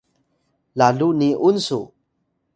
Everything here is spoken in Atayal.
lalu ni’un su?